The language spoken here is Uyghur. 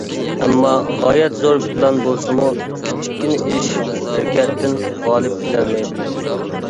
ئەمما، غايەت زور پىلان بولسىمۇ، كىچىككىنە ئىش-ھەرىكەتتىن غالىپ كېلەلمەيدۇ!